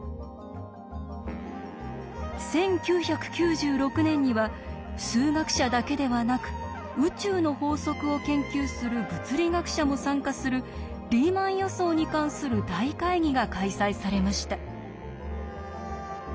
１９９６年には数学者だけではなく宇宙の法則を研究する物理学者も参加するリーマン予想に関する大会議が開催されました。